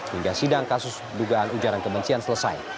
hingga sidang kasus dugaan ujaran kebencian selesai